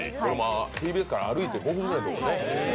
ＴＢＳから歩いて５分ぐらいのところね。